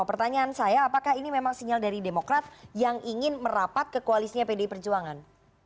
pertanyaan saya apakah ini memang sinyal dari demokrat yang ingin merapat ke koalisnya pdi perjuangan